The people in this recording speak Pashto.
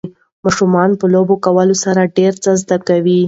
ماشومان په لوبې کولو سره ډېر څه زده کوي.